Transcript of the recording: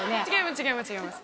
違います